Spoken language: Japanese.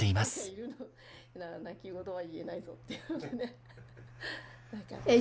泣き言は言えないぞっていうのでね。